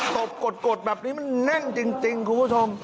ตบกดแบบนี้มันแน่นจริงคุณผู้ชม